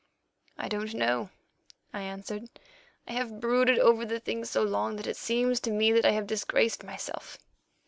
"I don't know," I answered. "I have brooded over the thing so long that it seems to me that I have disgraced myself.